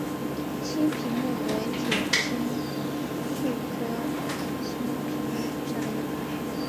青皮木为铁青树科青皮木属下的一个种。